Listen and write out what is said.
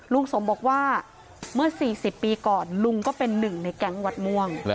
ลุงสมบอกว่าเมื่อ๔๐ปีก่อนลุงก็เป็นหนึ่งในแก๊งวัดม่วง